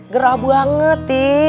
gerah banget ti